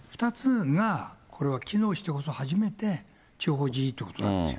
２つが機能してこそ初めて地方自治ということなんですよ。